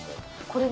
これ。